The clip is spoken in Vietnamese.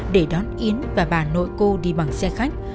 để đón yến và bà nội cô đi bằng xe khách